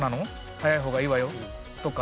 早い方がいいわよ」とか。